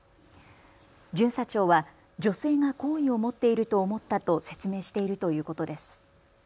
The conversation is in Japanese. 巡査長は女性が好意を持っていると思ったと説明しているということです。